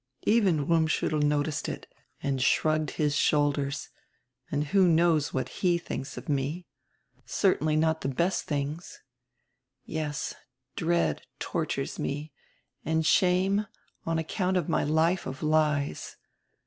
Even Rummschuttel noticed it and shrugged his shoulders, and who knows what he thinks of me? Certainly not die best tilings. Yes, dread tortures me, and shame on account of my life of lies.